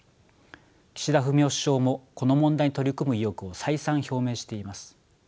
岸田文雄首相もこの問題に取り組む意欲を再三表明しています。